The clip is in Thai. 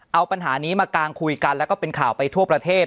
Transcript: เอาปัญหานี้มากางคุยกันแล้วก็เป็นข่าวไปทั่วประเทศ